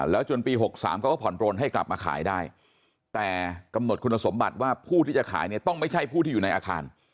จนปี๖๓เขาก็ผ่อนปลนให้กลับมาขายได้แต่กำหนดคุณสมบัติว่าผู้ที่จะขายเนี่ยต้องไม่ใช่ผู้ที่อยู่ในอาคาร